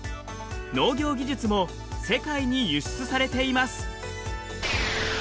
農業技術も世界に輸出されています。